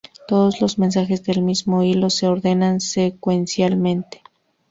Todos los mensajes del mismo hilo se ordenan secuencialmente.